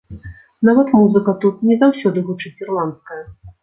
Нават музыка тут не заўсёды гучыць ірландская.